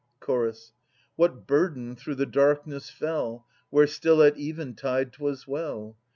Chorus. What burden through the darkness fell Where still at eventide 'twas well